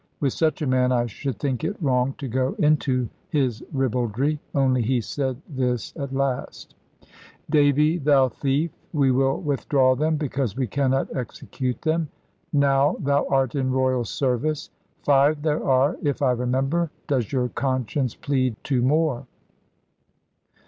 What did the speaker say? With such a man, I should think it wrong to go into his ribaldry; only he said this, at last; "Davy, thou thief, we will withdraw them, because we cannot execute them; now thou art in Royal Service. Five there are, if I remember. Does your conscience plead to more?"